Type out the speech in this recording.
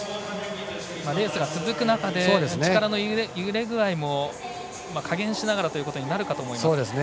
レースが続く中で力の入れ具合も加減しながらということになるかと思います。